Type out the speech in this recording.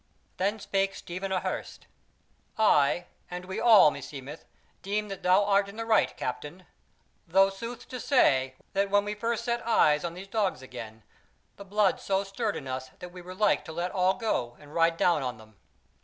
Then spake Stephen a Hurst: "I, and we all meseemeth, deem that thou art in the right, Captain; though sooth to say, when we first set eyes on these dogs again, the blood so stirred in us that we were like to let all go and ride down on them."